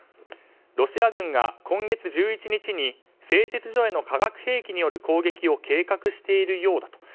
ロシア軍が今月１１日に製鉄所への化学兵器による攻撃を計画しているようだと。